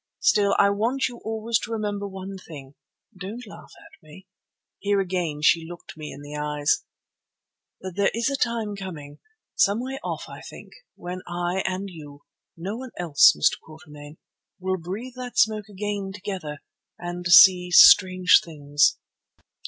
Still, I want you always to remember one thing—don't laugh at me"—here again she looked me in the eyes—"that there is a time coming, some way off I think, when I and you—no one else, Mr. Quatermain—will breathe that smoke again together and see strange things."